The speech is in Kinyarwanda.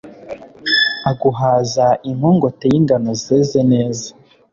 aguhaza inkongote y’ingano zeze neza